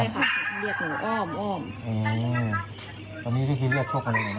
ใช่ค่ะเรียกหนูอ้อมอ้อมอือตอนนี้ที่ที่เรียกโชคกันอีกเนอะ